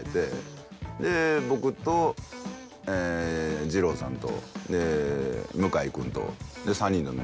僕と二朗さんと向井君と。